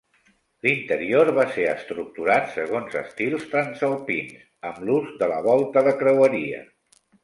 L'interior va ser estructurat segons estils transalpins, amb l'ús de la volta de creueria.